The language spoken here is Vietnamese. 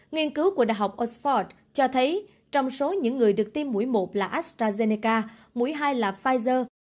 nghiên cứu của đại học oxford cho thấy trong số những người được tiêm mũi một là astrazeneca mũi hai là pfizer